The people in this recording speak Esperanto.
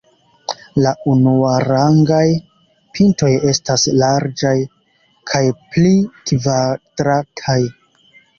La unuarangaj pintoj estas larĝaj kaj pli kvadrataj.